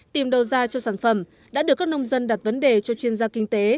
tìm đầu ra cho sản phẩm đã được các nông dân đặt vấn đề cho chuyên gia kinh tế